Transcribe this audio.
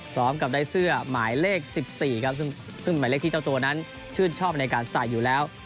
พร้อมกับได้เสื้อหมายเลข๑๔ครับซึ่งหมายเลขที่เจ้าตัวนั้นชื่นชอบในการใส่อยู่แล้ว